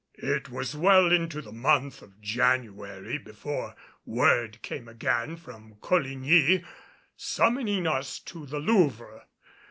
It was well into the month of January before word came again from Coligny summoning us to the Louvre.